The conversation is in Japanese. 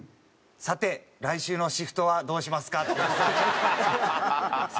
「さて来週のシフトはどうしますか？」。